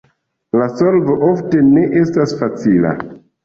La solvo ofte ne estas facila.